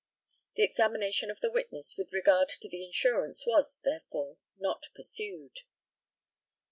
The examination of the witness with regard to the insurance was, therefore, not pursued.